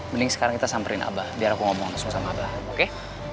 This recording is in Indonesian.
mending sekarang kita samperin abah biar aku ngomong langsung sama abah oke